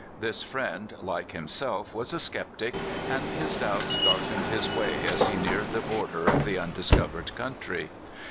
This friend, like himself, was a skeptic, and his doubts darkened his way as he neared the border of the undiscovered country.